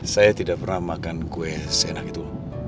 saya tidak pernah makan kue seenak itu